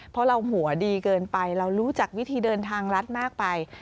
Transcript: เพราะเราหัวดีเกินไปเรารู้จักวิธีเดินทางรัฐมากไป